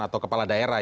atau kepala daerah